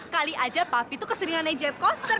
kali aja papi tuh keseringan naik jet coaster